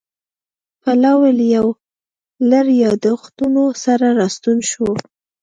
پلاوی له یو لړ یادښتونو سره راستون شو